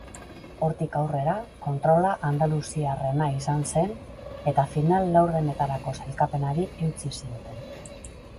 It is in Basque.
Hortik aurrera, kontrola andaluziarrena izan zen eta final laurdenetarako sailkapenari eutsi zioten.